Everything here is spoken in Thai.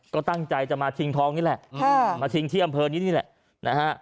ก็ตั้งใจจะมาชิงทองนี่แหละมาชิงที่อำเภอนี้นี่แหละนะฮะ